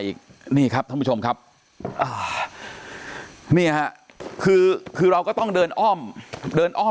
อีกนี่ครับท่านผู้ชมครับอ่านี่ฮะคือคือเราก็ต้องเดินอ้อมเดินอ้อม